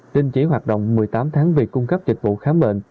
đình chỉ hoạt động một mươi tám tháng về cung cấp dịch vụ khám bệnh